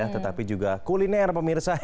tetapi juga kuliner pemirsa